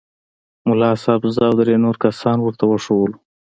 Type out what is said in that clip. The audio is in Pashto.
ملا صاحب زه او درې نور کسان ورته وښوولو.